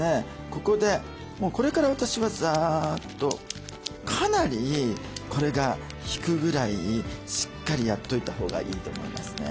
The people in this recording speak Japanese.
ここでもうこれから私はザッとかなりこれが引くぐらいしっかりやっといたほうがいいと思いますね。